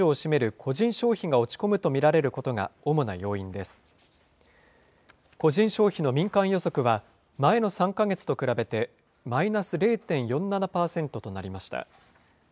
個人消費の民間予測は前の３か月と比べてマイナス０．４７％となりました。